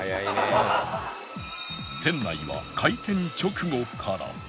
店内は開店直後から